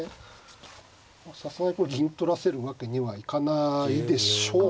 さすがにこれ銀取らせるわけにはいかないでしょうね。